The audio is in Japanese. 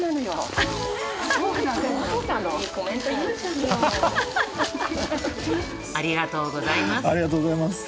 ありがとうございます。